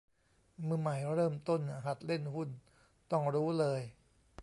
มือใหม่เริ่มต้นหัดเล่นหุ้นต้องรู้เลย